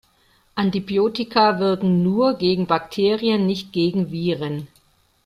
Antibiotika wirken nur gegen Bakterien, nicht gegen Viren.